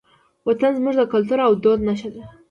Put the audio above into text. وطن زموږ د کلتور او دود نښه ده.